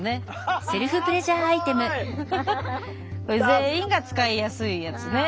全員が使いやすいやつね。